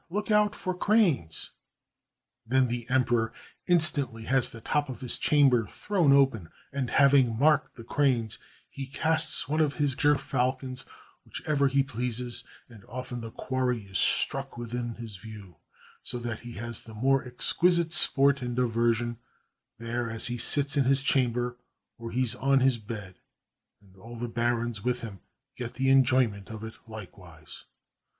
look out for cranes!" Then the emperor instantly has the top of his chamber thrown open, and having marked the cranes, he casts one of his gerfalcons, whichever he pleases; and often the quarry is struck within his view, so that he has the more exquisite sport and diversion, there as he sits in his chamber or hes on his bed ; and all the barons with him get the enjoyment of it hkewise.